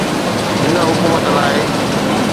هن حڪومت لاءِ.